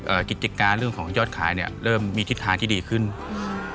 กิจิการเรื่องของยอดขายเนี้ยเริ่มมีทิศทางที่ดีขึ้นอืม